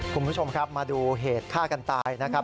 คุณผู้ชมครับมาดูเหตุฆ่ากันตายนะครับ